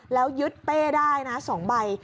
แล้วยึดเป้ได้นะ๒ใบ